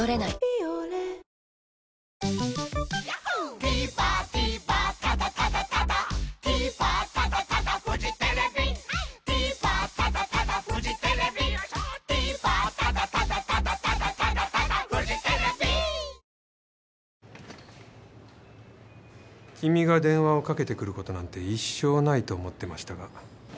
「ビオレ」君が電話をかけてくることなんて一生ないと思ってましたが。